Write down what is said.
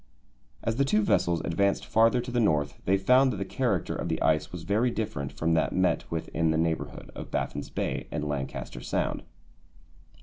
As the two vessels advanced farther to the North they found that the character of the ice was very different from that met with in the neighbourhood of Baffin's Bay and Lancaster Sound.